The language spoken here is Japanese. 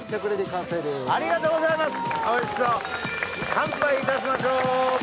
乾杯いたしましょう！